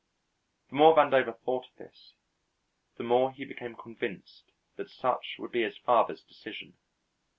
The more Vandover thought of this, the more he became convinced that such would be his father's decision.